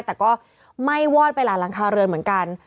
แต่ก็ไหม้วอดไปหลายหลังคาเรือนเหมือนกัน